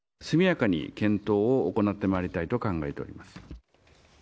速やかに検討を行ってまいりたいと考えております。